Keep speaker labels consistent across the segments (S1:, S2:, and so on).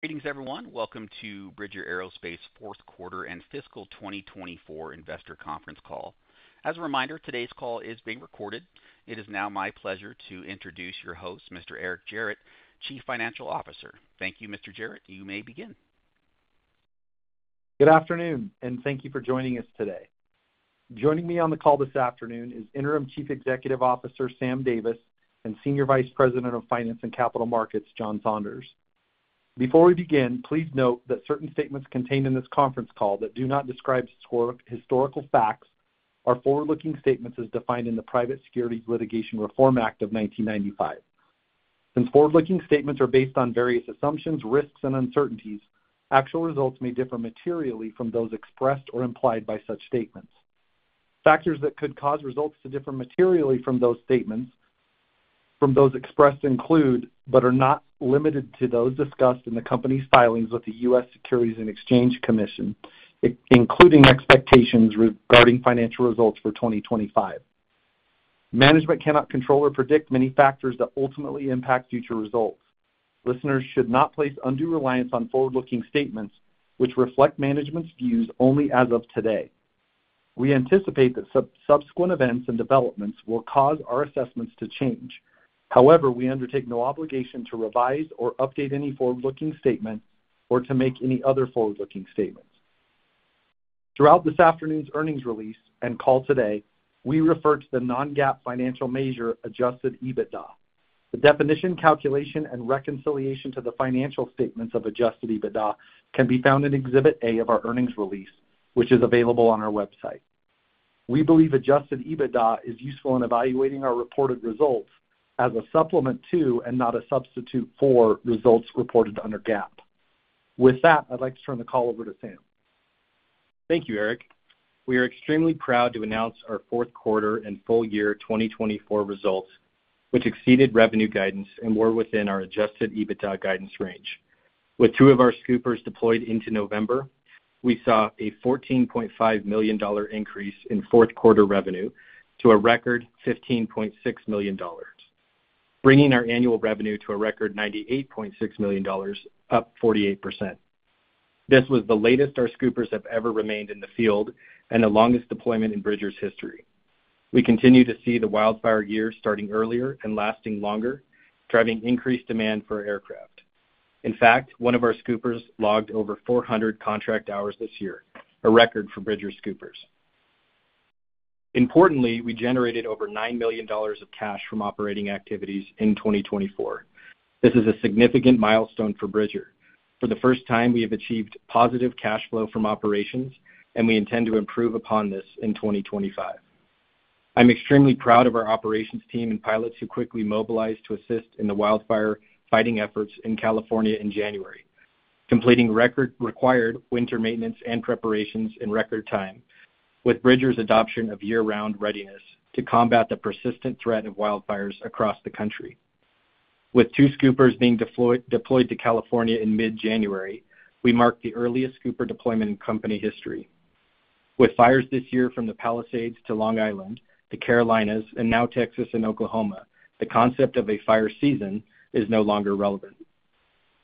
S1: Greetings, everyone. Welcome to Bridger Aerospace's Fourth Quarter and Fiscal 2024 Investor Conference Call. As a reminder, today's call is being recorded. It is now my pleasure to introduce your host, Mr. Eric Gerratt, Chief Financial Officer. Thank you, Mr. Gerratt. You may begin.
S2: Good afternoon, and thank you for joining us today. Joining me on the call this afternoon is Interim Chief Executive Officer Sam Davis and Senior Vice President of Finance and Capital Markets, John Saunders. Before we begin, please note that certain statements contained in this conference call that do not describe historical facts are forward-looking statements as defined in the Private Securities Litigation Reform Act of 1995. Since forward-looking statements are based on various assumptions, risks, and uncertainties, actual results may differ materially from those expressed or implied by such statements. Factors that could cause results to differ materially from those expressed include, but are not limited to, those discussed in the company's filings with the U.S. Securities and Exchange Commission, including expectations regarding financial results for 2025. Management cannot control or predict many factors that ultimately impact future results. Listeners should not place undue reliance on forward-looking statements, which reflect management's views only as of today. We anticipate that subsequent events and developments will cause our assessments to change. However, we undertake no obligation to revise or update any forward-looking statement or to make any other forward-looking statements. Throughout this afternoon's earnings release and call today, we refer to the non-GAAP financial measure, Adjusted EBITDA. The definition, calculation, and reconciliation to the financial statements of Adjusted EBITDA can be found in Exhibit A of our earnings release, which is available on our website. We believe Adjusted EBITDA is useful in evaluating our reported results as a supplement to and not a substitute for results reported under GAAP. With that, I'd like to turn the call over to Sam.
S3: Thank you, Eric. We are extremely proud to announce our fourth quarter and full year 2024 results, which exceeded revenue guidance and were within our Adjusted EBITDA guidance range. With two of our scoopers deployed into November, we saw a $14.5 million increase in fourth quarter revenue to a record $15.6 million, bringing our annual revenue to a record $98.6 million, up 48%. This was the latest our scoopers have ever remained in the field and the longest deployment in Bridger's history. We continue to see the wildfire year starting earlier and lasting longer, driving increased demand for aircraft. In fact, one of our scoopers logged over 400 contract hours this year, a record for Bridger scoopers. Importantly, we generated over $9 million of cash from operating activities in 2024. This is a significant milestone for Bridger. For the first time, we have achieved positive cash flow from operations, and we intend to improve upon this in 2025. I'm extremely proud of our operations team and pilots who quickly mobilized to assist in the wildfire fighting efforts in California in January, completing record-required winter maintenance and preparations in record time with Bridger's adoption of year-round readiness to combat the persistent threat of wildfires across the country. With two scoopers being deployed to California in mid-January, we marked the earliest scooper deployment in company history. With fires this year from the Palisades to Long Island, the Carolinas, and now Texas and Oklahoma, the concept of a fire season is no longer relevant.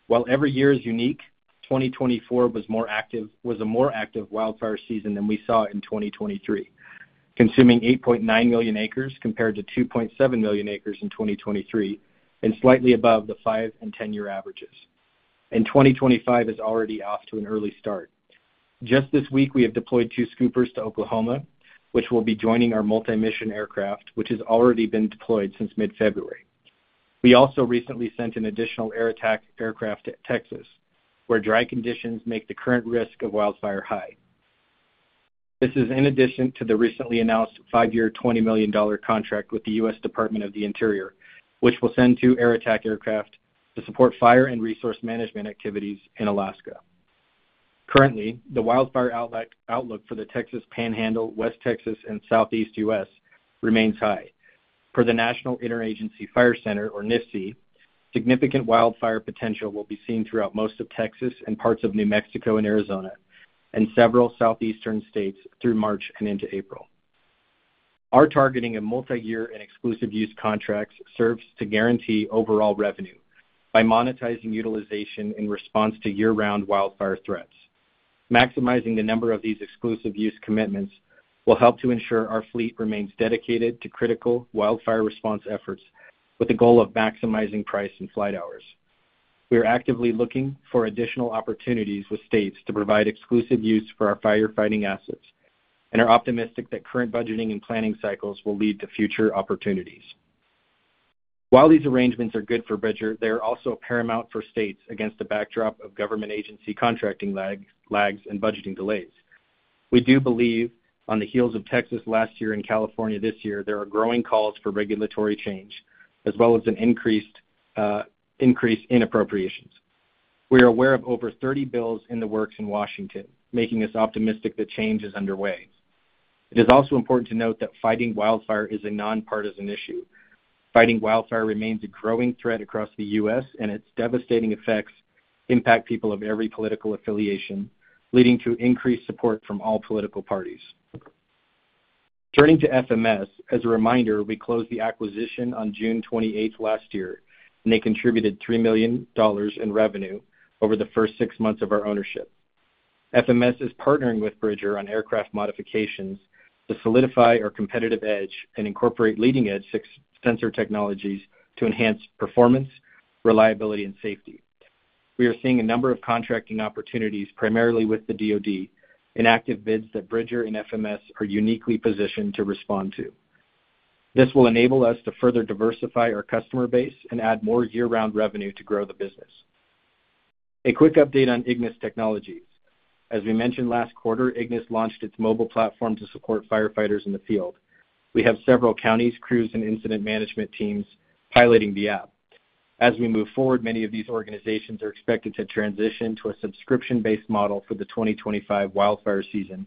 S3: While every year is unique, 2024 was a more active wildfire season than we saw in 2023, consuming 8.9 million acres compared to 2.7 million acres in 2023, and slightly above the five and ten-year averages. 2025 is already off to an early start. Just this week, we have deployed two Super Scoopers to Oklahoma, which will be joining our multi-mission aircraft, which has already been deployed since mid-February. We also recently sent an additional Air Attack aircraft to Texas, where dry conditions make the current risk of wildfire high. This is in addition to the recently announced five-year, $20 million contract with the U.S. Department of the Interior, which will send two Air Attack aircraft to support fire and resource management activities in Alaska. Currently, the wildfire outlook for the Texas Panhandle, West Texas, and Southeast U.S. remains high. Per the National Interagency Fire Center, or NIFC, significant wildfire potential will be seen throughout most of Texas and parts of New Mexico and Arizona, and several southeastern states through March and into April. Our targeting of multi-year and exclusive use contracts serves to guarantee overall revenue by monetizing utilization in response to year-round wildfire threats. Maximizing the number of these exclusive use commitments will help to ensure our fleet remains dedicated to critical wildfire response efforts with the goal of maximizing price and flight hours. We are actively looking for additional opportunities with states to provide exclusive use for our firefighting assets and are optimistic that current budgeting and planning cycles will lead to future opportunities. While these arrangements are good for Bridger, they are also paramount for states against the backdrop of government agency contracting lags and budgeting delays. We do believe on the heels of Texas last year and California this year, there are growing calls for regulatory change, as well as an increase in appropriations. We are aware of over 30 bills in the works in Washington, making us optimistic that change is underway. It is also important to note that fighting wildfire is a nonpartisan issue. Fighting wildfire remains a growing threat across the U.S., and its devastating effects impact people of every political affiliation, leading to increased support from all political parties. Turning to FMS, as a reminder, we closed the acquisition on June 28 last year, and they contributed $3 million in revenue over the first six months of our ownership. FMS is partnering with Bridger on aircraft modifications to solidify our competitive edge and incorporate leading-edge sensor technologies to enhance performance, reliability, and safety. We are seeing a number of contracting opportunities, primarily with the DOD, in active bids that Bridger and FMS are uniquely positioned to respond to. This will enable us to further diversify our customer base and add more year-round revenue to grow the business. A quick update on Ignis Technologies. As we mentioned last quarter, Ignis launched its mobile platform to support firefighters in the field. We have several counties, crews, and incident management teams piloting the app. As we move forward, many of these organizations are expected to transition to a subscription-based model for the 2025 wildfire season,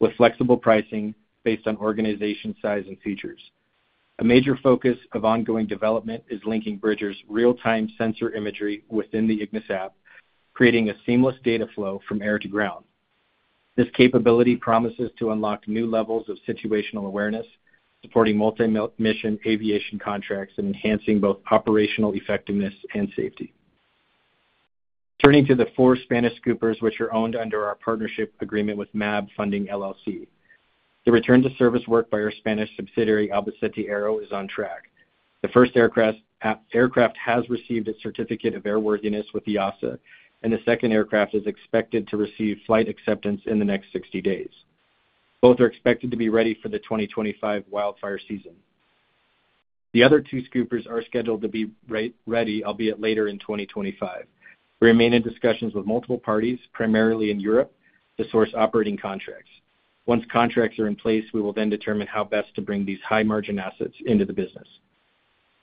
S3: with flexible pricing based on organization size and features. A major focus of ongoing development is linking Bridger's real-time sensor imagery within the Ignis app, creating a seamless data flow from air to ground. This capability promises to unlock new levels of situational awareness, supporting multi-mission aviation contracts and enhancing both operational effectiveness and safety. Turning to the four Spanish scoopers, which are owned under our partnership agreement with MAB Funding LLC. The return-to-service work by our Spanish subsidiary, Albacete Aero, is on track. The first aircraft has received its certificate of airworthiness with EASA, and the second aircraft is expected to receive flight acceptance in the next 60 days. Both are expected to be ready for the 2025 wildfire season. The other two scoopers are scheduled to be ready, albeit later in 2025. We remain in discussions with multiple parties, primarily in Europe, to source operating contracts. Once contracts are in place, we will then determine how best to bring these high-margin assets into the business.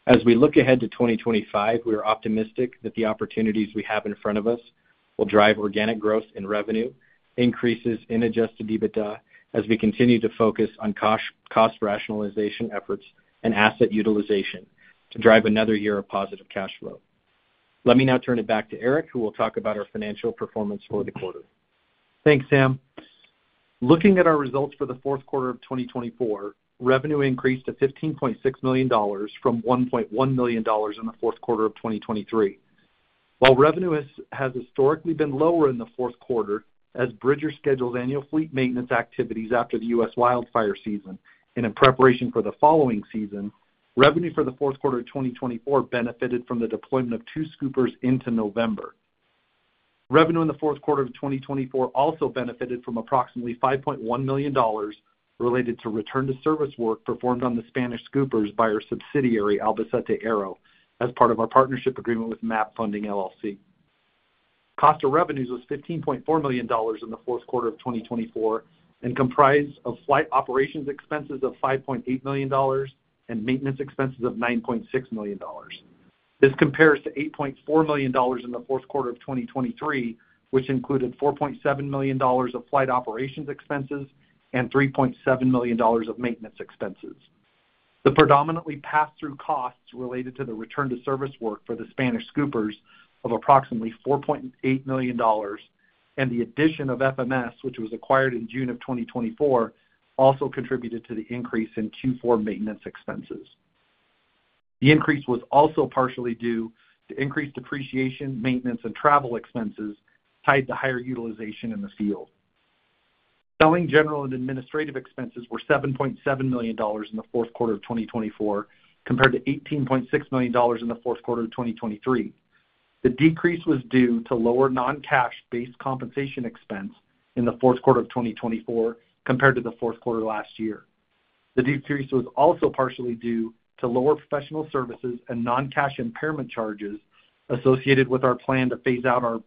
S3: As we look ahead to 2025, we are optimistic that the opportunities we have in front of us will drive organic growth in revenue, increases in Adjusted EBITDA, as we continue to focus on cost rationalization efforts and asset utilization to drive another year of positive cash flow. Let me now turn it back to Eric, who will talk about our financial performance for the quarter.
S2: Thanks, Sam. Looking at our results for the fourth quarter of 2024, revenue increased to $15.6 million from $1.1 million in the fourth quarter of 2023. While revenue has historically been lower in the fourth quarter, as Bridger schedules annual fleet maintenance activities after the U.S. wildfire season and in preparation for the following season, revenue for the fourth quarter of 2024 benefited from the deployment of two scoopers into November. Revenue in the fourth quarter of 2024 also benefited from approximately $5.1 million related to return-to-service work performed on the Spanish scoopers by our subsidiary, Albacete Aero, as part of our partnership agreement with MAB Funding LLC. Cost of revenues was $15.4 million in the fourth quarter of 2024 and comprised of flight operations expenses of $5.8 million and maintenance expenses of $9.6 million. This compares to $8.4 million in the fourth quarter of 2023, which included $4.7 million of flight operations expenses and $3.7 million of maintenance expenses. The predominantly pass-through costs related to the return-to-service work for the Spanish scoopers of approximately $4.8 million and the addition of FMS, which was acquired in June of 2024, also contributed to the increase in Q4 maintenance expenses. The increase was also partially due to increased depreciation, maintenance, and travel expenses tied to higher utilization in the field. Selling, general, and administrative expenses were $7.7 million in the fourth quarter of 2024, compared to $18.6 million in the fourth quarter of 2023. The decrease was due to lower non-cash-based compensation expense in the fourth quarter of 2024 compared to the fourth quarter last year. The decrease was also partially due to lower professional services and non-cash impairment charges associated with our plan to phase out our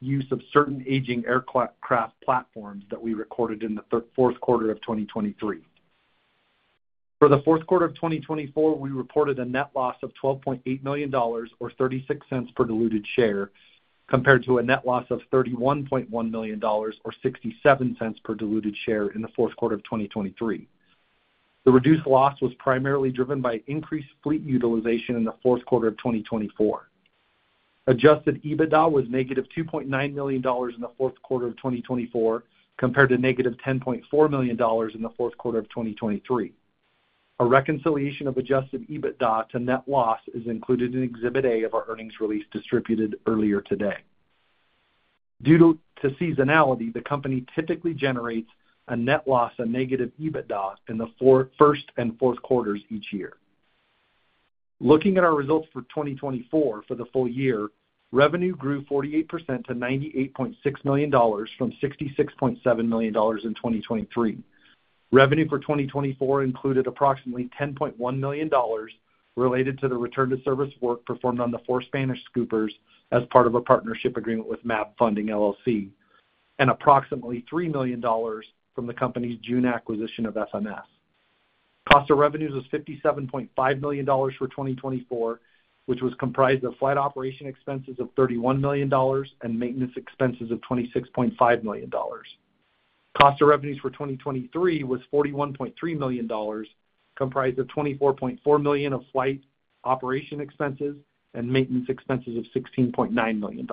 S2: use of certain aging aircraft platforms that we recorded in the fourth quarter of 2023. For the fourth quarter of 2024, we reported a net loss of $12.8 million, or $0.36 per diluted share, compared to a net loss of $31.1 million, or $0.67 per diluted share in the fourth quarter of 2023. The reduced loss was primarily driven by increased fleet utilization in the fourth quarter of 2024. Adjusted EBITDA was negative $2.9 million in the fourth quarter of 2024, compared to negative $10.4 million in the fourth quarter of 2023. A reconciliation of Adjusted EBITDA to net loss is included in Exhibit A of our earnings release distributed earlier today. Due to seasonality, the company typically generates a net loss of negative EBITDA in the first and fourth quarters each year. Looking at our results for 2024 for the full year, revenue grew 48% to $98.6 million from $66.7 million in 2023. Revenue for 2024 included approximately $10.1 million related to the return-to-service work performed on the four Spanish scoopers as part of a partnership agreement with MAB Funding LLC, and approximately $3 million from the company's June acquisition of FMS Aerospace. Cost of revenues was $57.5 million for 2024, which was comprised of flight operation expenses of $31 million and maintenance expenses of $26.5 million. Cost of revenues for 2023 was $41.3 million, comprised of $24.4 million of flight operation expenses and maintenance expenses of $16.9 million.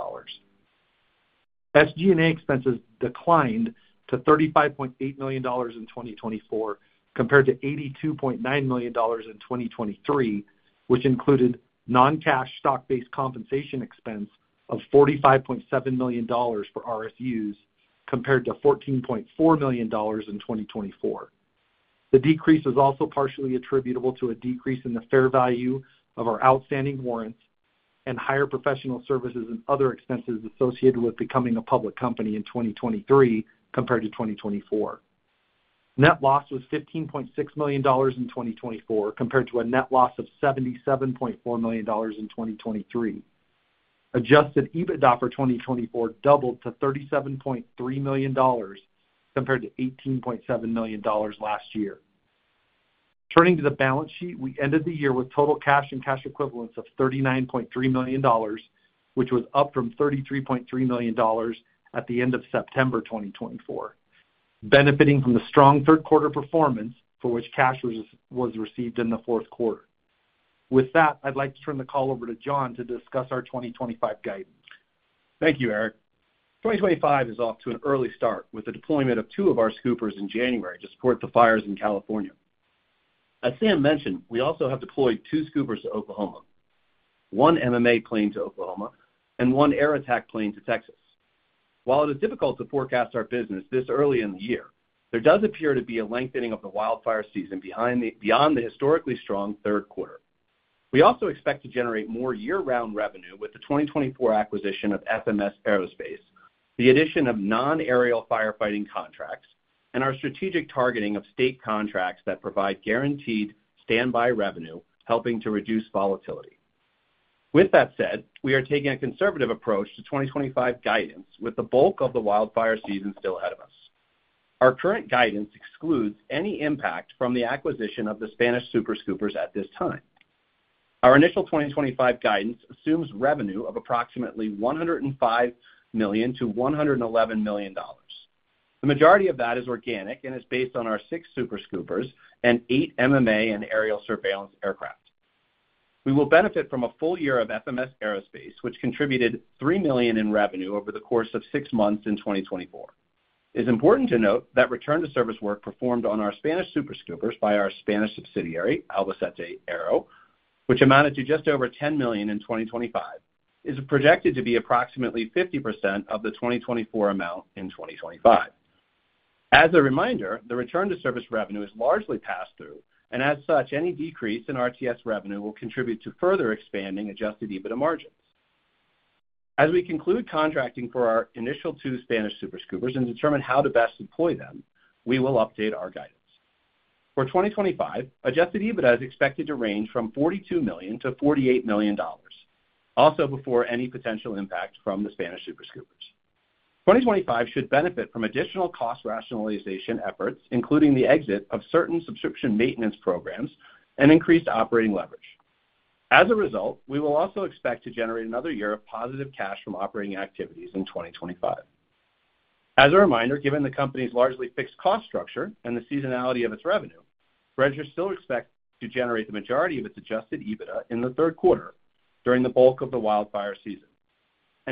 S2: SG&A expenses declined to $35.8 million in 2024, compared to $82.9 million in 2023, which included non-cash stock-based compensation expense of $45.7 million for RSUs, compared to $14.4 million in 2024. The decrease was also partially attributable to a decrease in the fair value of our outstanding warrants and higher professional services and other expenses associated with becoming a public company in 2023, compared to 2024. Net loss was $15.6 million in 2024, compared to a net loss of $77.4 million in 2023. Adjusted EBITDA for 2024 doubled to $37.3 million, compared to $18.7 million last year. Turning to the balance sheet, we ended the year with total cash and cash equivalents of $39.3 million, which was up from $33.3 million at the end of September 2024, benefiting from the strong third quarter performance for which cash was received in the fourth quarter. With that, I'd like to turn the call over to John to discuss our 2025 guidance.
S4: Thank you, Eric. 2025 is off to an early start with the deployment of two of our scoopers in January to support the fires in California. As Sam mentioned, we also have deployed two scoopers to Oklahoma, one MMA plane to Oklahoma, and one Air Attack plane to Texas. While it is difficult to forecast our business this early in the year, there does appear to be a lengthening of the wildfire season beyond the historically strong third quarter. We also expect to generate more year-round revenue with the 2024 acquisition of FMS Aerospace, the addition of non-aerial firefighting contracts, and our strategic targeting of state contracts that provide guaranteed standby revenue, helping to reduce volatility. With that said, we are taking a conservative approach to 2025 guidance, with the bulk of the wildfire season still ahead of us. Our current guidance excludes any impact from the acquisition of the Spanish Super Scoopers at this time. Our initial 2025 guidance assumes revenue of approximately $105 million-$111 million. The majority of that is organic and is based on our six Super Scoopers and eight MMA and aerial surveillance aircraft. We will benefit from a full year of FMS Aerospace, which contributed $3 million in revenue over the course of six months in 2024. It is important to note that return-to-service work performed on our Spanish Super Scoopers by our Spanish subsidiary, Albacete Aero, which amounted to just over $10 million in 2025, is projected to be approximately 50% of the 2024 amount in 2025. As a reminder, the return-to-service revenue is largely pass-through, and as such, any decrease in RTS revenue will contribute to further expanding Adjusted EBITDA margins. As we conclude contracting for our initial two Spanish Super Scoopers and determine how to best deploy them, we will update our guidance. For 2025, Adjusted EBITDA is expected to range from $42 million-$48 million, also before any potential impact from the Spanish Super Scoopers. 2025 should benefit from additional cost rationalization efforts, including the exit of certain subscription maintenance programs and increased operating leverage. As a result, we will also expect to generate another year of positive cash from operating activities in 2025. As a reminder, given the company's largely fixed cost structure and the seasonality of its revenue, Bridger still expects to generate the majority of its Adjusted EBITDA in the third quarter during the bulk of the wildfire season.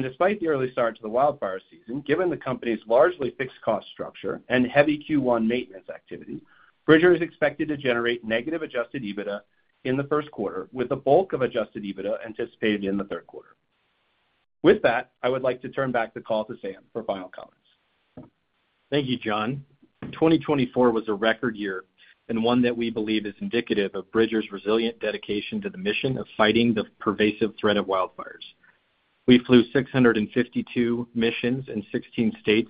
S4: Despite the early start to the wildfire season, given the company's largely fixed cost structure and heavy Q1 maintenance activity, Bridger is expected to generate negative Adjusted EBITDA in the first quarter, with the bulk of Adjusted EBITDA anticipated in the third quarter. With that, I would like to turn back the call to Sam for final comments.
S3: Thank you, John. 2024 was a record year and one that we believe is indicative of Bridger's resilient dedication to the mission of fighting the pervasive threat of wildfires. We flew 652 missions in 16 states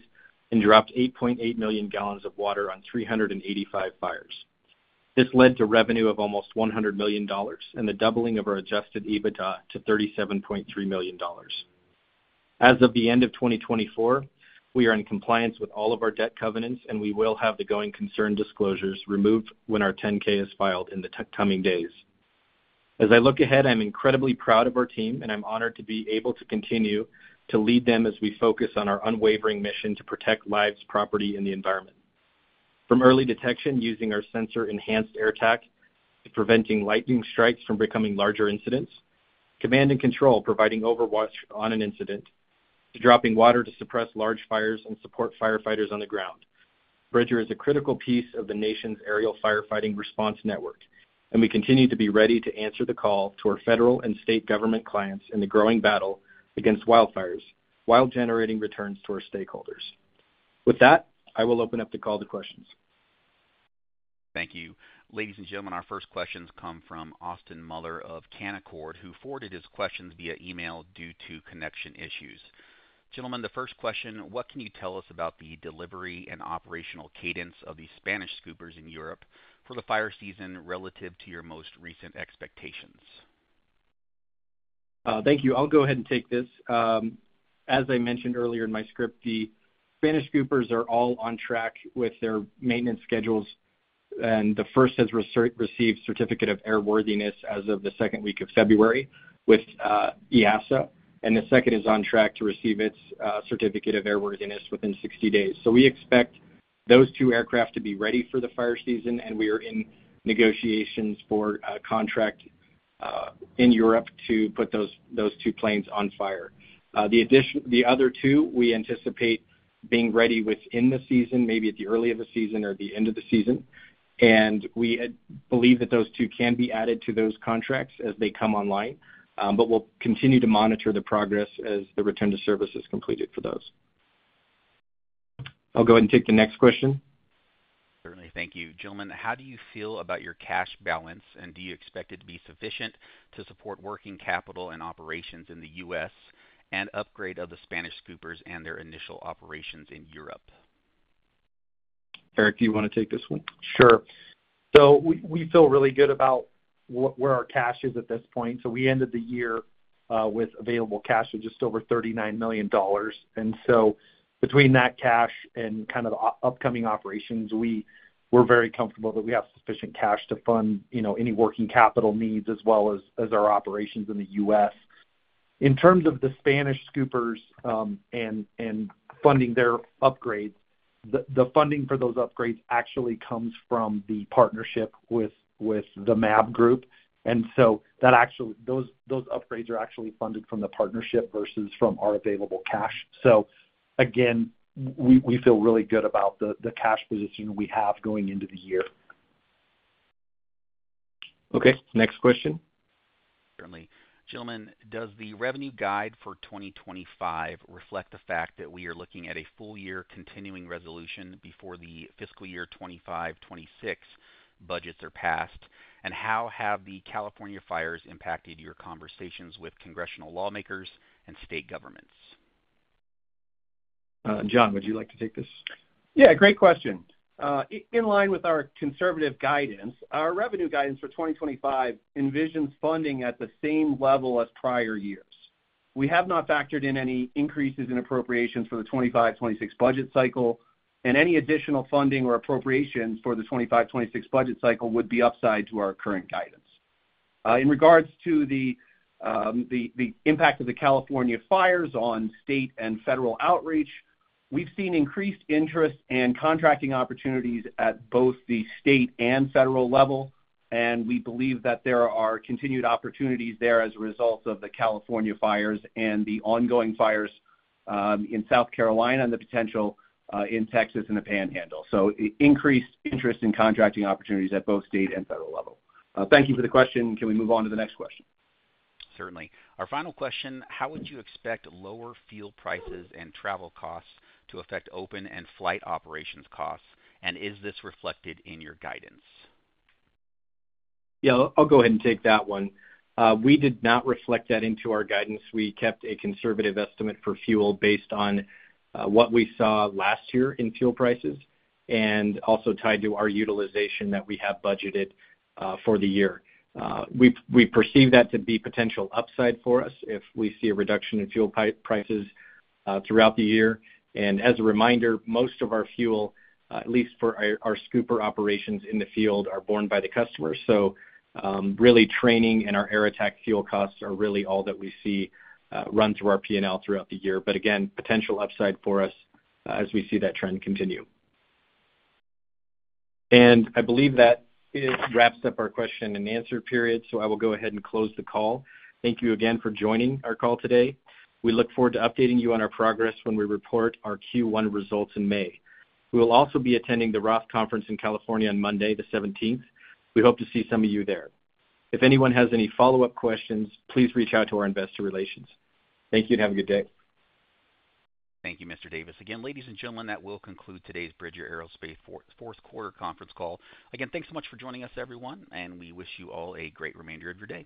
S3: and dropped 8.8 million gallons of water on 385 fires. This led to revenue of almost $100 million and the doubling of our Adjusted EBITDA to $37.3 million. As of the end of 2024, we are in compliance with all of our debt covenants, and we will have the going concern disclosures removed when our 10-K is filed in the coming days. As I look ahead, I'm incredibly proud of our team, and I'm honored to be able to continue to lead them as we focus on our unwavering mission to protect lives, property, and the environment. From early detection using our sensor-enhanced Air Attack to preventing lightning strikes from becoming larger incidents, command and control providing overwatch on an incident, to dropping water to suppress large fires and support firefighters on the ground, Bridger is a critical piece of the nation's aerial firefighting response network, and we continue to be ready to answer the call to our federal and state government clients in the growing battle against wildfires while generating returns to our stakeholders. With that, I will open up the call to questions.
S1: Thank you. Ladies and gentlemen, our first questions come from Austin Moeller of Canaccord, who forwarded his questions via email due to connection issues. Gentlemen, the first question, what can you tell us about the delivery and operational cadence of the Spanish scoopers in Europe for the fire season relative to your most recent expectations?
S3: Thank you. I'll go ahead and take this. As I mentioned earlier in my script, the Spanish Super Scoopers are all on track with their maintenance schedules, and the first has received certificate of airworthiness as of the second week of February with EASA, and the second is on track to receive its certificate of airworthiness within 60 days. We expect those two aircraft to be ready for the fire season, and we are in negotiations for a contract in Europe to put those two planes on fire. The other two, we anticipate being ready within the season, maybe at the early of the season or the end of the season, and we believe that those two can be added to those contracts as they come online, but we'll continue to monitor the progress as the return-to-service is completed for those. I'll go ahead and take the next question.
S1: Certainly. Thank you. Gentlemen, how do you feel about your cash balance, and do you expect it to be sufficient to support working capital and operations in the U.S. and upgrade of the Spanish scoopers and their initial operations in Europe?
S3: Eric, do you want to take this one?
S2: Sure. We feel really good about where our cash is at this point. We ended the year with available cash of just over $39 million. Between that cash and kind of upcoming operations, we're very comfortable that we have sufficient cash to fund any working capital needs as well as our operations in the U.S. In terms of the Spanish scoopers and funding their upgrades, the funding for those upgrades actually comes from the partnership with the MAB Group. Those upgrades are actually funded from the partnership versus from our available cash. Again, we feel really good about the cash position we have going into the year.
S3: Okay. Next question.
S1: Certainly. Gentlemen, does the revenue guide for 2025 reflect the fact that we are looking at a full year continuing resolution before the fiscal year 2025-2026 budgets are passed? How have the California fires impacted your conversations with congressional lawmakers and state governments?
S3: John, would you like to take this?
S4: Yeah. Great question. In line with our conservative guidance, our revenue guidance for 2025 envisions funding at the same level as prior years. We have not factored in any increases in appropriations for the 2025-2026 budget cycle, and any additional funding or appropriations for the 2025-2026 budget cycle would be upside to our current guidance. In regards to the impact of the California fires on state and federal outreach, we've seen increased interest and contracting opportunities at both the state and federal level, and we believe that there are continued opportunities there as a result of the California fires and the ongoing fires in South Carolina and the potential in Texas and the Panhandle. Increased interest in contracting opportunities at both state and federal level. Thank you for the question. Can we move on to the next question?
S1: Certainly. Our final question, how would you expect lower fuel prices and travel costs to affect open and flight operations costs, and is this reflected in your guidance?
S3: Yeah. I'll go ahead and take that one. We did not reflect that into our guidance. We kept a conservative estimate for fuel based on what we saw last year in fuel prices and also tied to our utilization that we have budgeted for the year. We perceive that to be potential upside for us if we see a reduction in fuel prices throughout the year. As a reminder, most of our fuel, at least for our scooper operations in the field, are borne by the customers. Really, training and our Air Attack fuel costs are really all that we see run through our P&L throughout the year. Again, potential upside for us as we see that trend continue. I believe that wraps up our question and answer period, so I will go ahead and close the call. Thank you again for joining our call today. We look forward to updating you on our progress when we report our Q1 results in May. We will also be attending the Roth Conference in California on Monday, the 17th. We hope to see some of you there. If anyone has any follow-up questions, please reach out to our investor relations. Thank you and have a good day.
S1: Thank you, Mr. Davis. Again, ladies and gentlemen, that will conclude today's Bridger Aerospace fourth quarter conference call. Again, thanks so much for joining us, everyone, and we wish you all a great remainder of your day.